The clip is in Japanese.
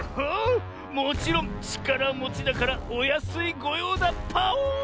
もちろんちからもちだからおやすいごようだパオーン！